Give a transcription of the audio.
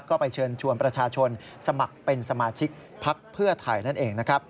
ก็ไปเชิญชวนประชาชนสมัครเป็นสมาชิกพักเพื่อไทยนั่นเองนะครับ